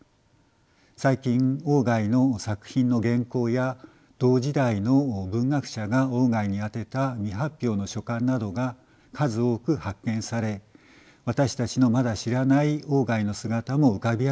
最近外の作品の原稿や同時代の文学者が外に宛てた未発表の書簡などが数多く発見され私たちのまだ知らない外の姿も浮かび上がってきています。